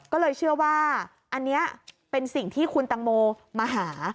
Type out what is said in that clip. ก็เลยเชื่อว่าอันนี้เป็นสิ่งที่คุณตังโมมาหา